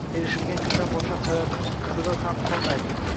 Erishilgan kundan boshlab hayotning qizig‘i ham qolmaydi.